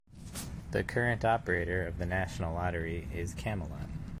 The current operator of the National Lottery is Camelot.